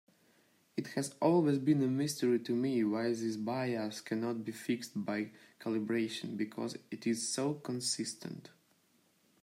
It has always been a mystery to me why this bias cannot be fixed by calibration, because it is so consistent.